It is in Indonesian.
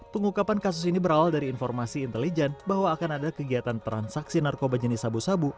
pengungkapan kasus ini berawal dari informasi intelijen bahwa akan ada kegiatan transaksi narkoba jenis sabu sabu